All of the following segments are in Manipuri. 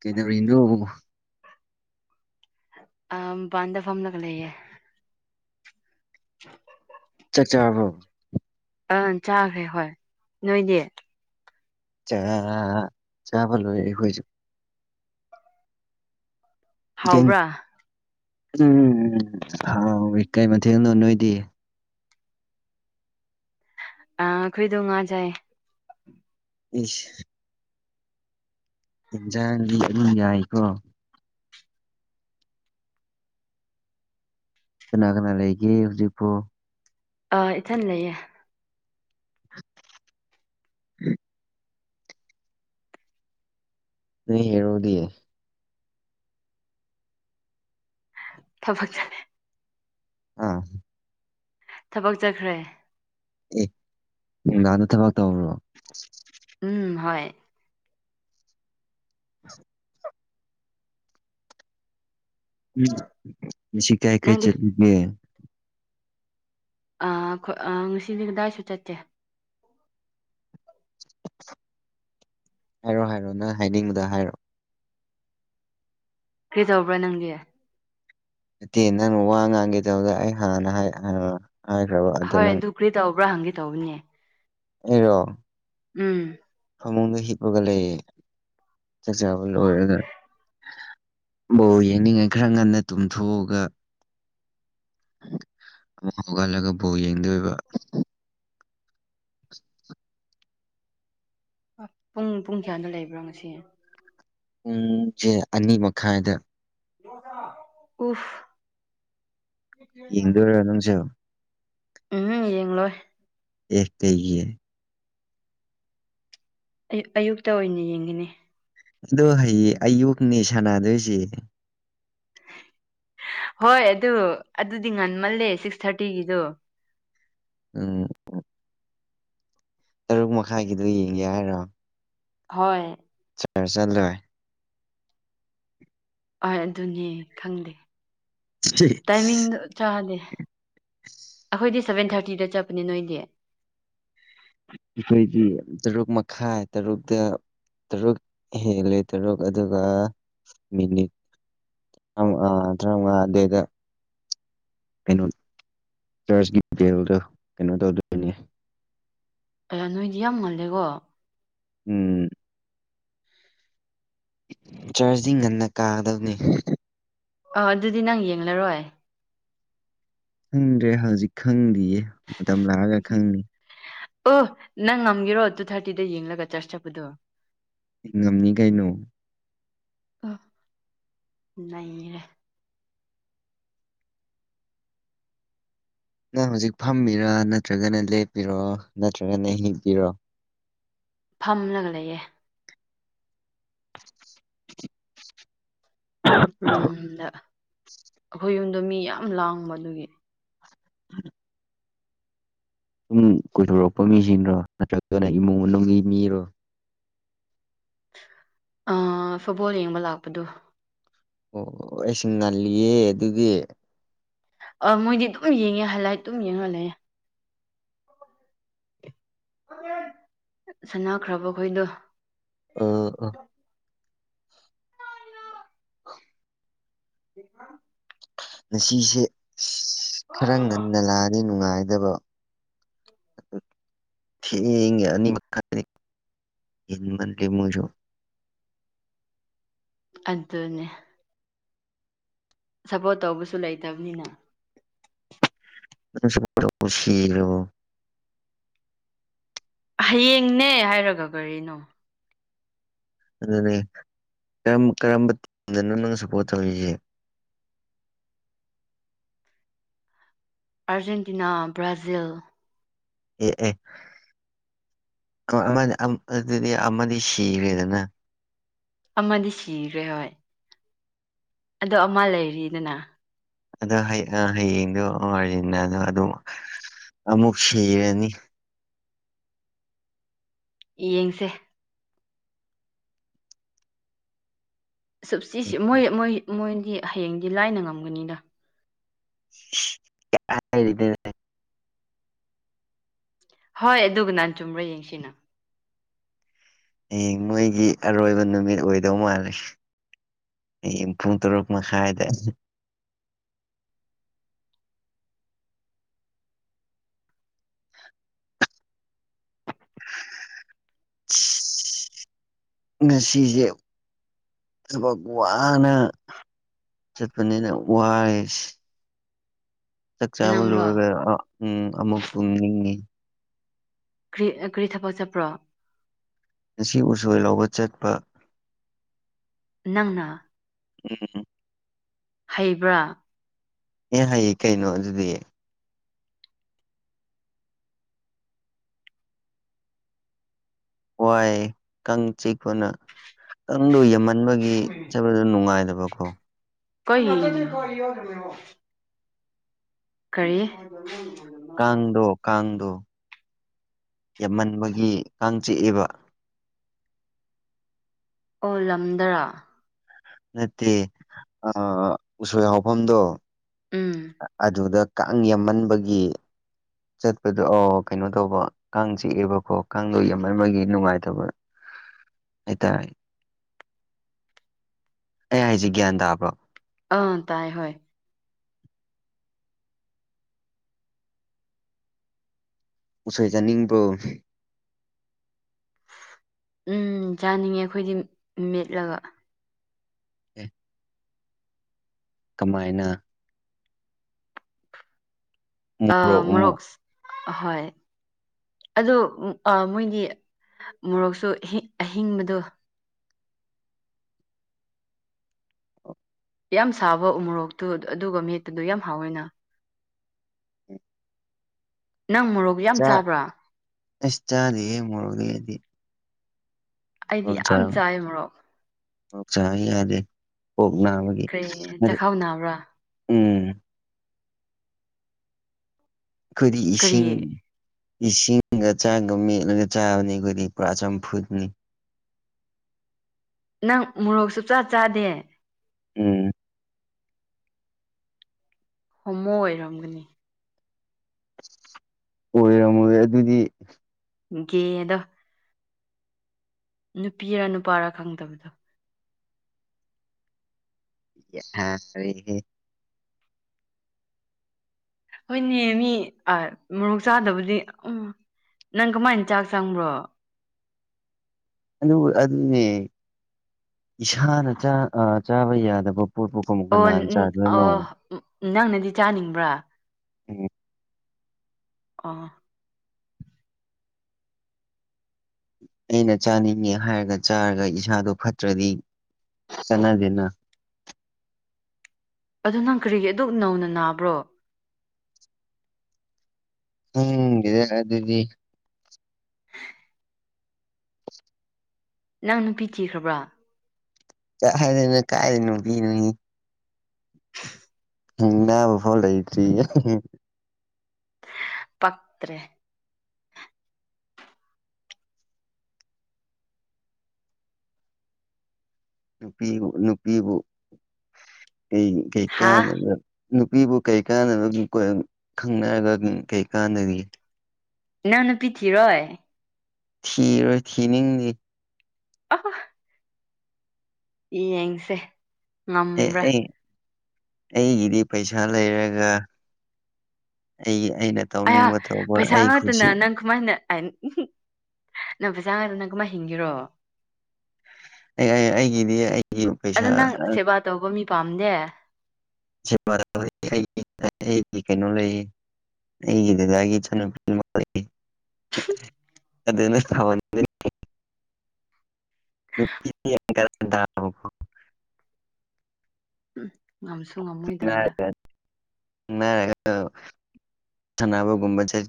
ꯀꯩꯗꯧꯔꯤꯅꯣ ꯑꯝ ꯄꯥꯟꯗ ꯐꯥꯝꯂꯒ ꯂꯩꯌꯦ [inaudible] ꯆꯥꯛ ꯆꯥꯔꯕꯣ ꯑꯪ ꯆꯥꯈ꯭ꯔꯦ ꯍꯣꯏ ꯅꯣꯏꯗꯤ ꯆꯥ ꯑꯥ ꯑꯥ ꯑꯥ ꯆꯥꯕ ꯂꯣꯏꯔꯦ ꯑꯩꯈꯣꯏꯁꯨ ꯀꯩ ꯍꯥꯎꯕ꯭ꯔꯥ ꯎꯝ ꯍꯥꯎꯋꯤ ꯀꯩ ꯃꯊꯦꯟꯅꯣ ꯅꯣꯏꯗꯤ ꯑ ꯑꯩꯈꯣꯏꯗꯣ ꯉꯥ ꯖꯥꯏ ꯏꯁ ꯏꯤꯖꯥꯡꯒꯤ ꯑꯗꯨꯝ ꯌꯥꯏꯀꯣ ꯀꯅꯥ ꯀꯅꯥ ꯂꯩꯒꯦ ꯍꯧꯖꯤꯛꯄꯨ ꯑꯥ ꯏꯊꯟ ꯂꯩꯌꯦ [inaudible] ꯅꫭꯏ ꯍꯦꯔꫭꯗꯤ ꯊꯕꯛ ꯆꯠꯂꯦ ꯑꯥ ꯊꯕꯛ ꯆꯠꯈ꯭ꯔꯦ ꯑꯦ ꯂꯥꯟꯗ ꯊꯕꯛ ꯇꯧ꯭ꯔꯣ ꯎꯝ ꯍꯣꯏ [unintelligible] ꯎꯝ ꯃꯁꯤ ꯀꯥꯏ ꯀꯥꯏ ꯅꯪꯗꯤ ꯆꯠꯒ ꯑꯩꯣꯏ ꯉꯁꯤꯗꯤ ꯀꯗꯥꯏꯁꯨ ꯆꯠꯁꯦ ꯍꯥꯏꯔꯣ ꯍꯥꯏꯔꯣ ꯅꯪ ꯍꯥꯏꯅꯤꯡꯕꯗ ꯍꯥꯏꯔꯣ ꯀꯩꯗꯧꯕ꯭ꯔꯥ ꯅꯪꯒꯤ ꯅꯠꯇꯦ ꯅꯪꯅ ꯋꯥ ꯉꯥꯡꯒꯦ ꯇꯧꯗ ꯑꯩ ꯍꯥꯟꯅ ꯍꯥꯏ ꯍꯥꯏꯈ꯭ꯔꯕ ꯑꯗꯣ ꯅꯪ ꯍꯣꯏ ꯀ꯭ꯔꯤ ꯇꯧꯕ꯭ꯔꯥ ꯍꯪꯒꯦ ꯇꯧꯕꯅꯦ ꯑꯦꯔꯣ ꯎꯝ ꯐꯃꯨꯡꯗ ꯍꯤꯞꯄꯒ ꯂꯩꯌꯦ ꯆꯥꯛꯆꯥꯥꯕ ꯂꯣꯏꯔꯒ ꯑꯣꯕ ꯌꯦꯡꯅꯤꯡꯉꯥꯏ ꯈꯔ ꯉꯟꯅ ꯇꯨꯝꯊꯣꯛꯑꯒ ꯑꯃꯨꯛ ꯍꯧꯒꯠꯂꯒ ꯕꯧ ꯌꯦꯡꯗ ꯑꯣꯏꯕ [unintelligible] ꯄꯨꯡ ꯄꯨꯡ ꯀꯌꯥꯗ ꯂꯩꯕ꯭ꯔꯣ ꯉꯁꯤ ꯄꯨꯡꯁꯦ ꯑꯅꯤ ꯃꯈꯥꯏꯗ ꯎꯐ ꯌꯦꯡꯗꯔꯣ ꯅꯪꯁꯨ ꯎꯝ ꯌꯦꯡꯂꯣꯏ ꯑꯦꯔ ꯀꯩꯒꯤꯟ ꯑꯌꯨꯛꯇ ꯑꯣꯏꯅ ꯌꯦꯡꯒꯅꯤ ꯑꯗꯣ ꯍꯌꯦꯡ ꯑꯌꯨꯛꯅꯦ ꯁꯥꯟꯅꯗꯣꯏꯁꯦ ꯍꯣꯏ ꯑꯗꯨ ꯑꯗꯨꯗꯤ ꯉꯟꯃꯜꯂꯦ ꯁꯤꯛꯁ ꯊꯥꯔꯇꯤꯒꯤꯗꯣ ꯑ ꯇꯔꯨꯛ ꯃꯈꯥꯏꯒꯤꯗꯨꯣ ꯌꯦꯡꯒꯦ ꯍꯥꯏꯔꯣ ꯍꯣꯏ ꯆ ꯆꯠꯂꯣꯏ ꯍꯣꯏ ꯑꯗꯨꯅꯦ ꯈꯪꯗꯦ ꯇꯥꯏꯃꯤꯡꯗꯣ ꯑꯩꯈꯣꯏꯗꯤ ꯆꯥꯗꯦ ꯑꯩꯈꯣꯏꯗꯤ ꯁꯚꯦꯟ ꯊꯥꯔꯇꯤꯗ ꯆꯠꯄꯅꯦ ꯅꯣꯏꯗꯤ ꯑꯩꯈꯣꯏꯒꯤ ꯇꯔꯨꯛ ꯃꯈꯥꯏ ꯇꯔꯨꯛꯇ ꯇꯔꯨꯛ ꯍꯦꯜꯂꯦ ꯇꯔꯨꯛ ꯑꯗꯨꯒ ꯃꯤꯅꯤꯠ ꯑꯥ ꯊꯔꯥꯃꯉꯥꯗꯩꯗ ꯀꯩꯅꯣ ꯆꯔꯆꯦꯜꯗ ꯀꯩꯅꯣ ꯇꯧꯗ ꯅꯣꯏꯗꯤ ꯌꯥꯝ ꯉꯜꯂꯦꯀꯣ ꯎꯝ ꯆꯥꯔꯖꯗꯤ ꯉꯟꯅ ꯀꯥꯒꯗꯕꯅꯤ ꯑ ꯑꯗꯨꯗꯤ ꯅꯪ ꯌꯦꯡꯂꯔꯣꯏ ꯈꯪꯗ꯭ꯔꯦ ꯍꯧꯖꯤꯛ ꯈꯪꯗ꯭ꯔꯤꯌꯦ ꯃꯇꯝ ꯂꯥꯛꯑꯒ ꯈꯪꯗ ꯑꯣ ꯅꯪ ꯉꯝꯒꯦꯔꯣ ꯇꯨ ꯊꯥꯔꯇꯤꯗ ꯌꯦꯡꯂꯒ ꯆꯥꯁ ꯆꯠꯄꯗꯣ ꯉꯝꯅꯤ ꯀꯩꯅꯣ ꯑꯔꯦ ꯅꯪ ꯍꯧꯖꯤꯛ ꯐꯝꯕꯤꯔꯥ ꯅꯠꯇ꯭ꯔꯒꯅ ꯂꯦꯞꯄꯤꯔꯣ ꯅꯠꯇ꯭ꯔꯒꯅ ꯍꯤꯡꯕꯤꯔꯣ ꯐꯝꯂꯒ ꯂꯩꯌꯦ [inaudible] ꯔꯨꯝꯗ ꯑꯩꯈꯣꯏ ꯌꯨꯝꯗꯣ ꯃꯤ ꯌꯥꯝ ꯂꯥꯡꯕ ꯑꯗꯨꯒꯤ ꯑ ꯁꯨꯡ ꯀꯣꯏꯊꯣꯔꯛꯄ ꯃꯤꯁꯤꯡꯗꯣ ꯅꯠꯇ꯭ꯔꯒꯅ ꯏꯃꯨꯡ ꯃꯅꯨꯡꯒꯤ ꯃꯤꯔꯣ ꯑ ꯐꯨꯠꯕꯣꯜ ꯌꯦꯡꯕ ꯂꯥꯛꯄꯗꯣ ꯑꯣ ꯑꯩꯁꯤꯡ ꯉꯜꯂꯤꯌꯦ ꯑꯗꯨꯒꯤ ꯑ ꯃꯣꯏꯗꯤ ꯑꯗꯨꯝ ꯌꯦꯡꯉꯦ ꯍꯜꯂ ꯑꯗꯨꯝ ꯌꯦꯡꯍꯜꯂꯦ ꯁꯥꯟꯅꯈ꯭ꯔꯕ ꯈꯣꯏꯗꯣ ꯑ ꯑ ꯑꯣ ꯌꯦ ꯉꯁꯤꯁꯦ ꯑ ꯈꯔ ꯉꯟꯅ ꯂꯥꯛꯑꯗꯤ ꯅꯨꯡꯉꯥꯏꯗꯕ ꯊꯦꯡ ꯑꯅꯤ ꯃꯈꯥꯏ ꯏꯃꯃꯨꯁꯨꯣ ꯑꯗꯨꯅꯦ ꯁꯞꯄꯣꯔꯠ ꯇꯧꯕꯁꯨ ꯂꯩꯇꯕꯅꯤꯅ ꯁꯔ ꯈꯨꯁꯤꯔꯕ ꯍꯌꯦꯡꯅꯦ ꯍꯥꯏꯔꯒ ꯀꯔꯤꯅꯣ ꯑꯗꯨꯅꯦ ꯀꯔꯝꯕꯗꯅ ꯅꯪ ꯁꯄꯣꯔꯠ ꯇꯧꯔꯤꯁꯦ ꯑꯥꯔꯖꯦꯟꯇꯤꯅꯥ ꯕ꯭ꯔꯥꯖꯤꯜ ꯑꯦ ꯑꯦ ꯑꯗꯨꯗꯤ ꯑꯃꯗꯤ ꯁꯤꯕꯗꯅ ꯑꯃꯗꯤ ꯁꯤꯈ꯭ꯔꯦ ꯍꯣꯏ ꯑꯗꯣ ꯑꯃ ꯂꯩꯔꯤꯗꯅ ꯑꯗꯣ ꯍꯌꯦꯡꯗꯣ ꯑꯥꯔꯖꯤꯅꯥꯗꯣ ꯑꯗꯨꯝ ꯑꯃꯨꯛ ꯁꯤꯔꯅꯤ ꯌꯦꯡꯁꯦ ꯁꯨꯞ ꯆꯁꯤꯦ ꯃꯣꯏ ꯃꯣꯏ ꯃꯣꯏꯗꯤ ꯍꯌꯦꯡꯗꯤ ꯂꯥꯏꯅ ꯉꯝꯒꯅꯤꯗ ꯗ ꯍꯣꯏ ꯑꯗꯨꯒ ꯅꯍꯥꯟ ꯆꯨꯝꯕ꯭ꯔꯥ ꯌꯦꯡꯁꯤꯅ ꯍ ꯃꯣꯏꯒꯤ ꯑꯔꯣꯏꯕ ꯅꯨꯃꯤꯠ ꯑꯣꯏꯗꯧ ꯃꯥꯜꯂꯦ ꯄꯨꯡ ꯇꯔꯨꯛ ꯃꯥ ꯈꯥꯏꯗ [inaudible] ꯉꯁꯤꯁꯦ ꯊꯕꯛ ꯋꯥꯅ ꯆꯠꯄꯅꯤꯅ ꯋꯥꯏꯁ ꯆꯥꯛꯆꯥꯥ ꯑꯃ ꯅꯪꯔꯣ ꯂꯣꯏꯔꯒ ꯎꯝ ꯑꯃꯨꯛ ꯇꯨꯡꯅꯤꯡꯉꯤ ꯀꯔꯤ ꯀꯔꯤ ꯊꯕꯛ ꯆꯠꯄ꯭ꯔꯣ ꯉꯁꯤ ꯎꯁꯣꯏ ꯂꯥꯎꯧꯕ ꯆꯠꯄ ꯅꯪꯅ ꯎꯝ ꯍꯩꯕ꯭ꯔꯥ ꯑꯦ ꯍꯥꯏꯌꯦ ꯀꯩꯅꯣ ꯑꯗꯨꯗꯤ ꯋꯥꯏ ꯀꯥꯡ ꯆꯤꯄꯣꯅ ꯀꯥꯡꯗꯣ ꯌꯥꯝꯍꯟꯕꯒꯤ ꯖ ꯅꯨꯡꯉꯥꯏꯗꯕꯀꯣ ꯀ ꯀꯔꯤ ꯀꯥꯡꯗꯣ ꯀꯥꯟꯗꯣ ꯌꯥꯝꯃꯟꯕꯒꯤ ꯀꯥꯡ ꯆꯤꯛꯑꯦꯕ ꯑꯣꯂꯝꯗꯔ ꯅꯠꯇꯦ ꯎꯁꯣꯏ ꯍꯥꯎꯐꯝꯗꯣ ꯎꯝ꯫ ꯑꯗꯨꯗ ꯀꯥꯡ ꯌꯥꯝꯃꯟꯕꯒꯤ꯫ ꯆꯠꯄꯗꯣ ꯑꯥꯎ ꯀꯩꯅꯣ ꯇꯧꯕ ꯀꯥꯡ ꯆꯤꯛꯑꯦꯕꯀꯣ ꯀꯥꯡꯗꯣ ꯌꯥꯝꯃꯒꯤ ꯅꯨꯡꯉꯥꯏꯇꯕ꯫ [unintelligible] ꯑꯩ ꯍꯥꯏꯁꯦ ꯒ꯭ꯌꯥꯟ ꯇꯥꯕ꯭ꯔꯣ꯫ ꯑꯥ ꯇꯥꯏ ꯍꯣꯏ꯫ ꯎꯁꯣꯏ ꯆꯥꯅꯤꯡꯕ꯭ꯔꯣ꯫ ꯎꯝ ꯆꯥꯅꯤꯡꯉꯦ ꯑꯩꯈꯣꯏꯗꯤ ꯃꯦꯠꯂꯒ꯫ ꯑꯦ ꯀꯃꯥꯏꯅ ꯑ ꯃꯣꯔꯣꯛ ꯃꯣꯔꯣꯛꯁ ꯑꯍꯣꯏ ꯑꯗꯣ ꯎ ꯑ ꯃꯣꯏꯗꯤ ꯃꯣꯔꯣꯛꯁꯨ ꯑꯍꯤ ꯑꯍꯤꯡꯕꯗꯣ ꯌꯥꯝ ꯁꯥꯕ ꯎꯃꯣꯔꯣꯛꯇꯨ ꯑꯗꯨ ꯑꯗꯨꯒ ꯃꯦꯠꯄꯗꯨ ꯌꯥꯝ ꯍꯥꯎꯋꯦꯅ ꯅꯪ ꯃꯣꯔꯣꯛ ꯌꯥꯝ ꯆꯥ ꯆꯥꯕ꯭ꯔꯥ ꯑꯁ ꯆꯥꯗꯦꯌꯦ ꯃꯣꯔꯣꯛ [unintelligible] ꯗꯤ ꯑꯩꯗꯤ ꯌꯥꯝ ꯆꯥꯏ ꯃꯣꯔꯣꯛ ꯑꯣꯛ ꯆꯥ ꯌꯥꯗꯦ ꯑꯣꯛ ꯅꯥꯕꯒꯤ ꯀꯔꯤ ꯆꯈꯥꯎ ꯅꯥꯕ꯭ꯔꯥ ꯎꯝ ꯈꯣꯏꯗꯤ ꯀꯔꯤ ꯏꯁꯤꯡ ꯏꯁꯤꯡꯒ ꯆꯥꯒ ꯃꯦꯠꯂꯒ ꯆꯥꯕꯅꯤ ꯈꯣꯗꯤ ꯄꯨꯔꯥ ꯆꯝ ꯐꯨꯠꯅꯤ ꯅꯪ ꯃꯣꯔꯣꯛ ꯁꯨꯞ ꯆꯥ ꯆꯥꯗꯦ ꯎꯝ ꯍꯣꯃꯣ ꯑꯣꯏꯔꯝꯒꯅꯤ ꯑꯣꯏꯔꯝꯃꯣꯏꯌꯦ ꯑꯗꯨꯗꯤ ꯒꯦꯗꯣ ꯅꯨꯄꯤꯔ ꯅꯨꯄꯥꯔ ꯈꯪꯗꯕꯗꯣ [unintelligible] ꯍꯣꯏꯅꯦ ꯃꯤ ꯑ ꯃꯣꯔꯣꯛ ꯆꯥꯗꯕꯗꯤ ꯎꯝ ꯅꯪ ꯀꯃꯥꯏꯟ ꯆꯥꯛ ꯆꯪꯕ꯭ꯔꯣ ꯑꯗꯨ ꯑꯗꯨꯅꯦ ꯏꯁꯥꯅ ꯆꯥ ꯑ ꯆꯥꯕ ꯌꯥꯗꯕ ꯄꯣꯠꯄꯨ ꯑꯣ ꯑꯥ ꯅꯪꯅꯗꯤ ꯆꯥꯅꯤꯡꯕ꯭ꯔꯥ ꯎꯝ ꯑ ꯑꯩꯅ ꯆꯥꯅꯤꯡꯉꯦ ꯍꯥꯏꯔꯒ ꯆꯥꯔꯒ ꯏꯁꯥꯗꯣ ꯐꯠꯇ꯭ꯔꯗꯤ ꯆꯠꯅꯗꯦꯅ ꯑꯗꯨ ꯅꯪ ꯀꯔꯤꯒꯤ ꯑꯗꯨ ꯅꯧꯅ ꯅꯥꯕ꯭ꯔꯣ [unintelligible] ꯑꯗꯨꯗꯤ ꯅꯪ ꯅꯨꯄꯤ ꯊꯤꯈ꯭ꯔꯕ꯭ꯔꯥ [unintelligible] ꯀꯥꯏꯗꯩ ꯅꯨꯄꯤꯅꯨꯅꯤ꯫ [unintelligible] ꯂꯩꯇ꯭ꯔꯤ ꯄꯛ꯭ꯇꯔꯦ ꯅꯨꯄꯤꯕꯨ ꯅꯨꯄꯤꯕꯨ ꯀꯩ ꯀꯩ ꯍꯥ ꯀꯥꯟꯗꯕꯗ ꯅꯨꯄꯤꯕꯨ ꯀꯩ ꯀꯥꯟ [unintelligible] ꯅꯪ ꯅꯨꯄꯤ ꯊꯤꯔꯣꯢ ꯊꯤꯔꯣꯏ ꯊꯤꯅꯤꯡꯗꯤ ꯑꯍ ꯌꯦꯡꯁꯦ ꯑꯦ ꯉꯝꯕ꯭ꯔꯥ ꯑꯩ ꯑꯩꯒꯤꯗꯤ ꯄꯩꯁꯥ ꯂꯩꯔꯒ ꯑꯩꯒꯤ ꯑꯩꯅ ꯑꯌꯥ ꯇꯧꯅꯤꯡꯕ ꯇꯧꯕ ꯄꯩꯁꯥ ꯑꯩ ꯈꯨꯁꯤ ꯉꯥꯛꯇꯅ ꯅꯪ ꯀꯃꯥꯏꯅ [unintelligible] ꯀꯃꯥꯏ ꯍꯤꯡꯒꯦꯔꯣ ꯑꯩ ꯑꯩ ꯑꯩꯒꯤꯗꯤ ꯑꯩ ꯑꯗꯣ ꯅꯪ ꯁꯦꯕꯥ ꯇꯧꯕ ꯃꯤ ꯄꯥꯝꯗꯦ [unintelligible] ꯀꯩꯅꯣ ꯂꯩꯌꯦ ꯍꯒꯗ ꯑꯗꯨ [unintelligible] ꯑꯗꯨ ꯊ [unintelligible] ꯅꯨꯄꯤꯡ ꯀ [unintelligible] ꯎꯝ ꯉꯝꯁꯨ ꯉꯝꯃꯣꯏꯗꯕꯗ ꯅꯥꯕꯕ [unintelligible]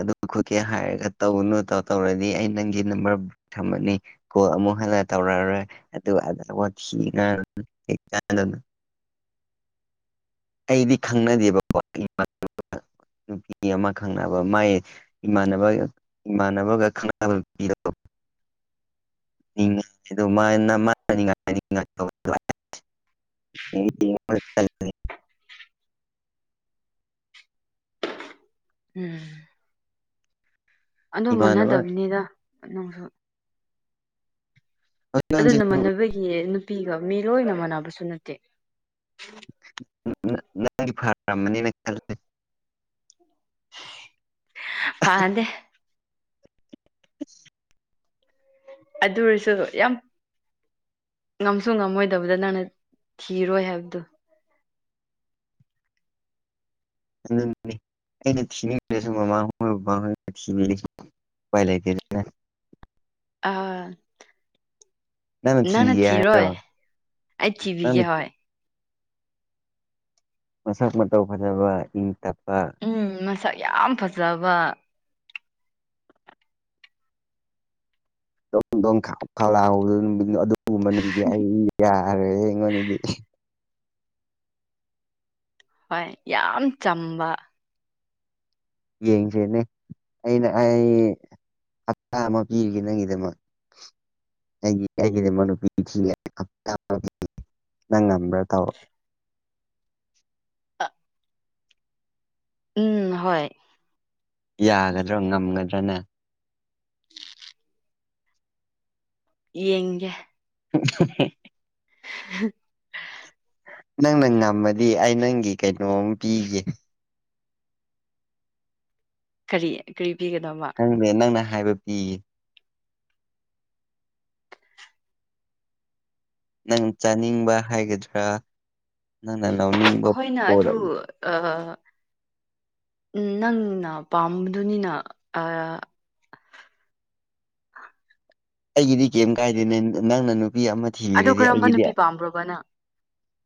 ꯑꯗꯨ ꯈꯣꯠꯀꯦ ꯍꯥꯏꯔꯒ ꯇꯧꯅꯨ ꯇꯧ ꯇꯧꯔꯗꯤ ꯑꯩ ꯅꯪꯒꯤ ꯅꯝꯕꯔ ꯊꯝꯃꯅꯤ ꯀꯣ ꯑꯃꯨꯛ ꯍꯜꯂ ꯇꯧꯔꯛꯑꯔꯣꯏ ꯑꯗꯨꯒ ꯑ ꯊꯤꯗꯅ [unintelligible] ꯑꯩꯗꯤ ꯈꯪꯅꯗꯦꯕꯀꯣ ꯅꯨꯄꯤ ꯑꯃ ꯈꯪꯅꯕ ꯃꯥꯏ [unintelligible] ꯏꯃꯥꯟꯅꯕꯒ ꯏꯃꯥꯟꯅꯕꯒ ꯈꯪꯅꯕ ꯄꯤꯔ ꯉ ꯃꯥ [inaudible] ꯎꯝ ꯑꯗꯨ ꯏꯃꯥꯟꯅꯕ ꯃꯥꯟꯅꯗꯕꯅꯤꯗ ꯅꯅꯨꯡꯁꯨ ꯑꯗꯨ ꯍꯧꯖꯤꯛꯀꯥꯟꯁꯦ ꯅ ꯃꯥꯟꯅꯕꯒꯤ ꯅꯨꯄꯤꯒ ꯃꯤ ꯂꯣꯏꯅ ꯃꯥꯟꯅꯕꯁꯨ ꯅꯠꯇꯦ ꯐꯥꯔꯅꯤꯅ ꯄꯥꯗꯦ ꯑ ꯑꯗꯨ ꯑꯣꯏꯔꯁꯨ ꯌꯥꯝ ꯉꯝꯁꯨ ꯉꯝꯃꯣꯏꯗꯕꯗ ꯅꯪꯅ ꯊꯤꯔꯣꯏ ꯍꯥꯏꯕꯗꯨꯣ ꯑꯩꯅ ꯊꯤꯕꯤ ꯃꯃꯥꯡꯣꯏ ꯊꯤꯕꯤ ꯄꯥꯏ ꯂꯩꯇꯅ ꯑꯥ ꯅꯪꯅ ꯅꯪ ꯅ ꯊꯤꯒꯦ ꯊꯤꯔꯣꯏ ꯍꯥꯏꯔꯣ ꯑꯩ ꯅꯪꯅ ꯊꯤꯕꯤꯒꯦ ꯍꯣꯏ ꯃꯁꯥꯛ ꯃꯇꯧ ꯐꯖꯕ ꯏꯪ ꯇꯞꯄ ꯎ ꯃꯁꯛ ꯌꯥꯝ ꯐꯖꯕ ꯣꯡꯣꯡ ꯈꯂꯥꯎꯍꯗ ꯅꯨ ꯑꯗꯨꯒꯨꯝꯕ ꯅꯨꯃꯤꯗꯤ ꯑꯩ ꯌꯥꯔꯦ ꯑꯩꯉꯣꯟꯗꯗꯤ ꯍꯣꯏ ꯌꯥꯝ ꯆꯝꯕ ꯌꯦꯡꯁꯦꯅꯦ ꯑꯩꯅ ꯑꯩ ꯍꯞꯇꯥ ꯑꯃ ꯄꯤꯔꯤꯒꯦ ꯅꯪꯒꯤꯗꯃꯛ ꯑꯩꯒꯤ ꯑꯩꯒꯤꯗꯤꯃ ꯅꯨꯄꯤ ꯊꯤ ꯅꯪ ꯉꯝꯕ꯭ꯔꯥ ꯇꯧꯔ ꯎꯝ ꯍꯣꯏ ꯌꯥꯒꯗ꯭ꯔꯣ ꯉꯝꯒꯗ꯭ꯔꯅꯦ ꯌꯦꯡꯒꯦ ꯎ ꯎ ꯅꯪꯅ ꯉꯝꯃꯗꯤ ꯑꯩ ꯅꯪꯒꯤ ꯀꯩꯅꯣꯝ ꯄꯤꯒꯦ ꯀꯔꯤ ꯀꯔꯤ ꯄꯤꯒꯗꯕ ꯅꯪꯅꯦ ꯅꯪꯅ ꯍꯥꯏꯕ ꯄꯤꯌꯦ ꯅꯪ ꯆꯥꯅꯤꯡꯕ ꯍꯥꯏꯒꯗ꯭ꯔꯥ ꯅ ꯅ ꯅ ꯎꯅꯤ ꯍꯣꯏꯅ ꯑꯗꯨ ꯎꯝ ꯅꯪꯅ ꯄꯥꯝꯕꯗꯨꯅꯤꯅ ꯑꯩꯒꯤꯗꯤ ꯀꯩꯝ ꯀꯥꯏꯗꯦ ꯅ ꯅꯪꯅ ꯅꯨꯄꯤ ꯑꯃ ꯊꯤꯔꯗꯤ ꯑꯩꯒꯤꯗꯤ ꯄ꯭ꯔꯣꯕꯅ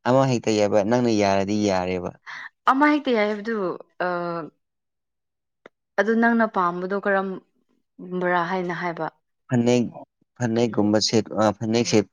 ꯑꯃ ꯍꯦꯛꯇ ꯌꯥꯕ ꯅꯪꯅ ꯌꯥꯔꯗꯤ ꯌꯥꯔꯦꯕ ꯑꯃ ꯍꯥꯏꯗꯤ ꯍꯥꯏꯕꯗꯨ ꯑ ꯑꯗꯨꯗ ꯅꯪꯅ ꯄꯥꯝꯕꯗꯣ ꯀꯔꯝꯕꯔꯥ ꯍꯥꯏꯅ ꯍꯥꯏꯕ ꯐꯅꯦꯛ ꯐꯅꯦꯛꯒꯨꯝꯕ ꯁꯦ ꯐꯅꯦꯛ ꯁꯦꯅ